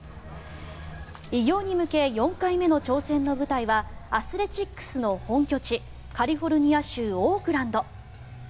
偉業に向け４回目の挑戦の舞台はアスレチックスの本拠地カリフォルニア州オークランド。